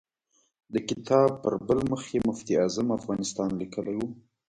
د کتاب پر بل مخ یې مفتي اعظم افغانستان لیکلی و.